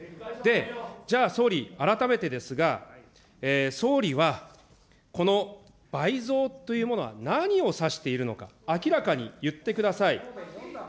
じゃあ、総理、改めてですが、総理はこの倍増というものは何を指しているのか、明らかに言ってください。